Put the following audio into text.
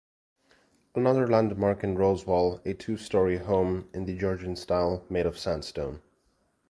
Another landmark is Rosewall, a two-storey home in the Georgian style, made of sandstone.